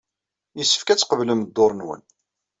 Yessefk ad tqeblem dduṛ-nwen.